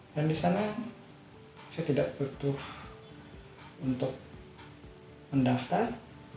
dan di sana saya tidak butuh untuk mendaftar